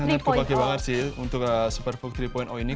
sangat kepake banget sih untuk supervooc tiga ini